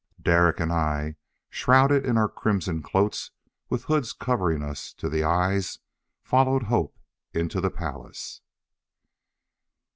Derek and I, shrouded in our crimson cloaks with hoods covering us to the eyes, followed Hope into the palace.